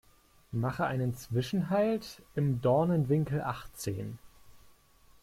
Mache einen Zwischenhalt im Dornenwinkel achtzehn.